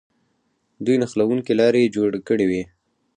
دوی نښلوونکې لارې جوړې کړې وې.